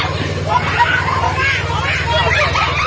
สวัสดีครับ